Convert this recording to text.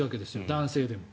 男性でも。